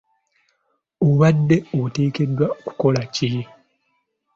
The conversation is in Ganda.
Obadde oteekeddwa kukola ki?